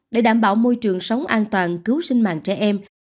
để đảm bảo môi trường sống an toàn cứu sinh mạng trẻ em